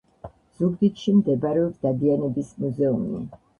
ზუგდიდში მდებარეობს დადიანების მუზეუმი